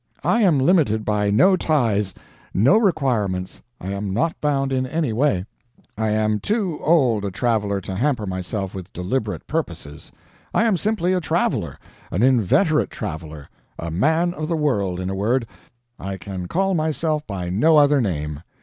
I am limited by no ties, no requirements, I am not bound in any way. I am too old a traveler to hamper myself with deliberate purposes. I am simply a traveler an inveterate traveler a man of the world, in a word I can call myself by no other name.